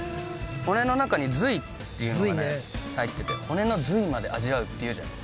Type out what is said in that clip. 骨の中に髄っていうのがね入ってて骨の髄まで味わうって言うじゃない。